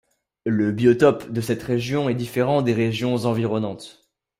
Le biotope de cette région est différent des régions environnantes.